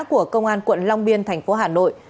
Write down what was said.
của công an quận long biên thành phố hà nội